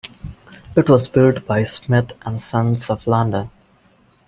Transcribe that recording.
It was built by Smith and Sons of London.